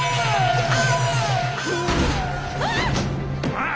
あっ！